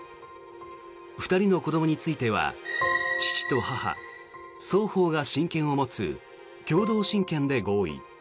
２人の子どもについては父と母双方が親権を持つ共同親権で合意。